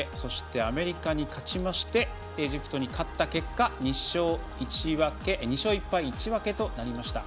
アメリカに勝ちましてエジプトに勝った結果２勝１敗１分となりました。